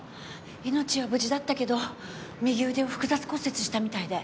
命は無事だったけど右腕を複雑骨折したみたいで。